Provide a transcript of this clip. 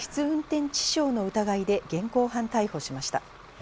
運転致傷の疑いで現行犯逮捕しました。